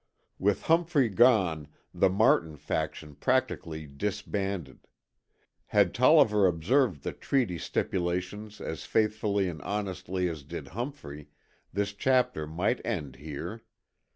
With Humphrey gone, the Martin faction practically disbanded. Had Tolliver observed the treaty stipulations as faithfully and honestly as did Humphrey, this chapter might end here.